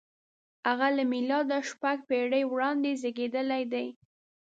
• هغه له مېلاده شپږ پېړۍ وړاندې زېږېدلی دی.